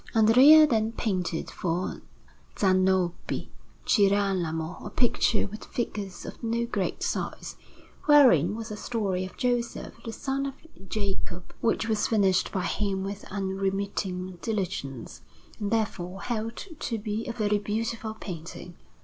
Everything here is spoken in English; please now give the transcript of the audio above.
Andrea then painted for Zanobi Girolami a picture with figures of no great size, wherein was a story of Joseph, the son of Jacob, which was finished by him with unremitting diligence, and therefore held to be a very beautiful painting.